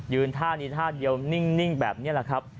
ท่านี้ท่าเดียวนิ่งแบบนี้แหละครับ